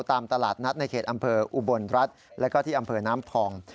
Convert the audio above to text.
ตามตลาดนัดในเขตอำเภออุบลรัฐแล้วก็ที่อำเภอน้ำพอง